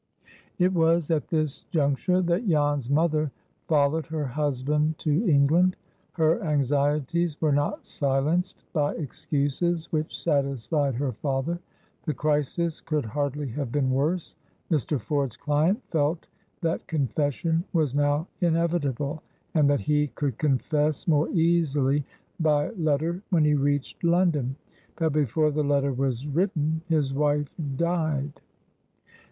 It was at this juncture that Jan's mother followed her husband to England. Her anxieties were not silenced by excuses which satisfied her father. The crisis could hardly have been worse. Mr. Ford's client felt that confession was now inevitable; and that he could confess more easily by letter when he reached London. But before the letter was written, his wife died.